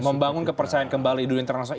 membangun kepercayaan kembali dunia internasional